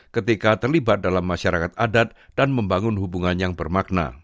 ketika terlibat dalam masyarakat adat dan membangun hubungan yang bermakna